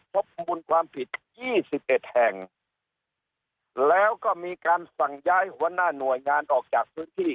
พบมูลความผิดยี่สิบเอ็ดแห่งแล้วก็มีการสั่งย้ายหัวหน้าหน่วยงานออกจากพื้นที่